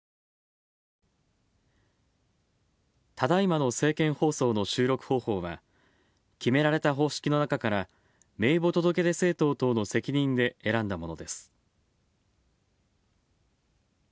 ただいまの政見放送の収録方法は、決められた方式の中から名簿届出政党等の責任で選んだものです。